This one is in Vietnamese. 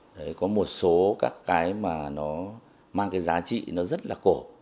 đấy có một số các cái mà nó mang cái giá trị nó rất là cổ